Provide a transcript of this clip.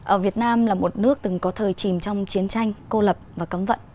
ở việt nam là một nước từng có thời chìm trong chiến tranh cô lập và cấm vận